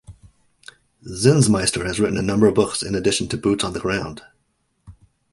Zinsmeister has written a number of books in addition to "Boots on the Ground".